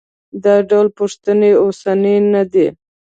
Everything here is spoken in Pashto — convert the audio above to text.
دا ډول پوښتنې اوسنۍ نه دي.